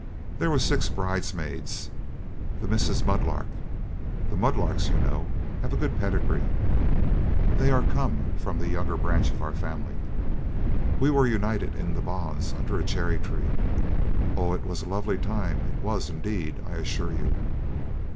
There were six bridesmaids the Misses Mudlark. The Mudlarks, you know, have a good pedigree, they are come of the younger branch of our family. We were united in the bonds under a cherry tree. Oh! it was a lovely time, it was indeed, I assure you."